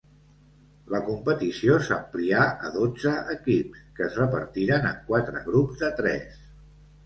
La competició s'amplià a dotze equips, que es repartiren en quatre grups de tres.